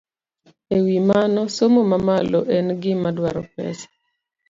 E wi mano, somo mamalo en gima dwaro pesa.